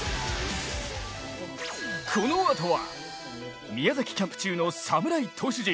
このあとは、宮崎キャンプ中の侍投手陣。